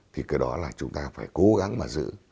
thì cái đó là chúng ta phải cố gắng mà giữ